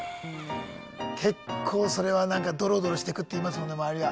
結構それはなんかドロドロしてくって言いますもんね周りが。